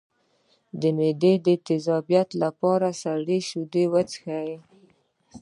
د معدې د تیزابیت لپاره سړې شیدې وڅښئ